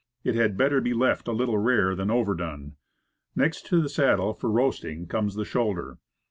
It had better be left a little rare than overdone. Next to the sad dle for roasting, comes the shoulder.